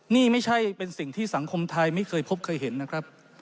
นี่ไม่ใช่เป็นสิ่งที่สังคมไทยไม่เคยพบเคยเห็นนะครับ